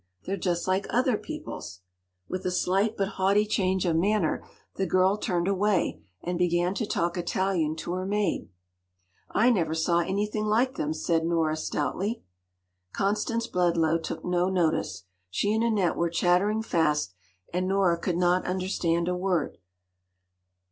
They’re just like other people’s!” With a slight but haughty change of manner, the girl turned away, and began to talk Italian to her maid. “I never saw anything like them!” said Nora stoutly. Constance Bledlow took no notice. She and Annette were chattering fast, and Nora could not understand a word.